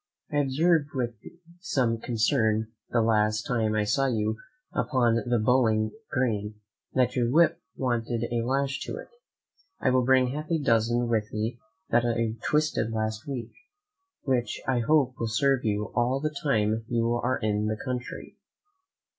I observed with some concern, the last time I saw you upon the bowling green, that your whip wanted a lash to it; I will bring half a dozen with me that I twisted last week, which I hope will serve you all the time you are in the country.